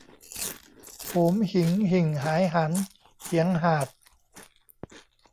โหมหิงหิ่งหายหัน เหียงหาด